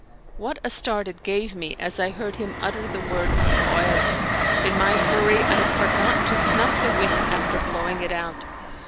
What a start it gave me as I heard him utter the word "oil." In my hurry I had forgotten to snuff the wick after blowing it out.